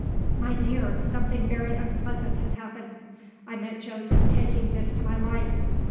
"My dear, something very unpleasant has happened. I met Joseph taking this to my wife.